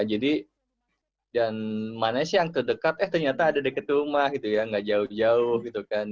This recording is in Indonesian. jadi dan mana sih yang terdekat eh ternyata ada dekat rumah gitu ya gak jauh jauh gitu kan